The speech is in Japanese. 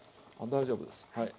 大丈夫ですはい。